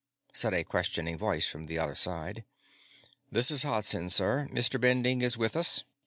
said a questioning voice from the other side. "This is Hodsen, sir. Mr. Bending is with us."